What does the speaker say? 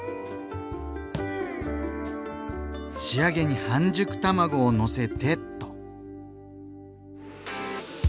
仕上げに半熟卵をのせてっと。